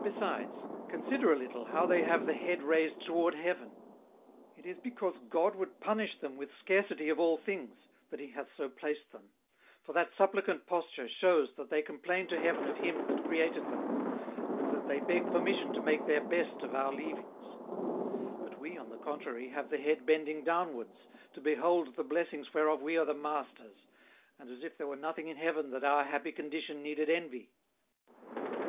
"Besides, consider a little how they have the Head raised toward Heaven; it is because God would punish them with scarcity of all things, that he hath so placed them; for that supplicant Posture shews that they complain to Heaven of him that Created them, and that they beg Permission to make their best of our Leavings. But we, on the contrary, have the Head bending downwards, to behold the Blessings whereof we are the Masters, and as if there were nothing in Heaven that our happy condition needed Envy."